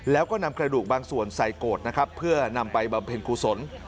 แล้วก็นำกระดูกบางส่วนใส่โกรธนะครับเพื่อนำไปบำเพ็ญกุศล